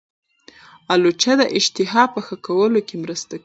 الوچه د اشتها په ښه کولو کې مرسته کوي.